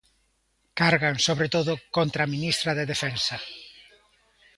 Cargan, sobre todo, contra a ministra de Defensa.